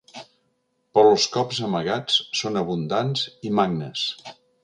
Però els cops amagats són abundants i magnes.